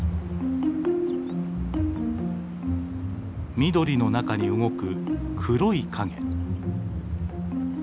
緑の中に動く黒い影。